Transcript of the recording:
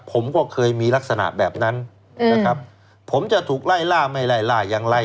ผมก็เคยมีลักษณะแบบนั้นนะครับผมจะถูกไล่ล่าไม่ไล่ล่าอย่างไร